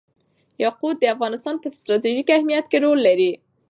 یاقوت د افغانستان په ستراتیژیک اهمیت کې رول لري.